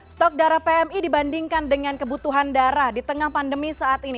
stok darah pmi dibandingkan dengan kebutuhan darah di tengah pandemi saat ini